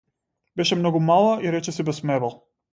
Беше многу мала и речиси без мебел.